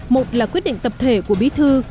một là quyết định tập thể của bí thư